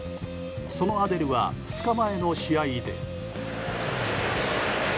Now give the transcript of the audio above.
そのアデルは２日前の試合で。